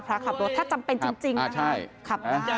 พระขับรถถ้าจำเป็นจริงนะครับขับได้